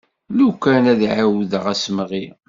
Lukan ad d-ɛiwdeɣ asemɣi.